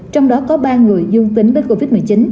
trong đó có ba người dương tính với covid một mươi chín